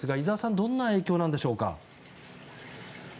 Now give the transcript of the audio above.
どんな影響なんでしょうか。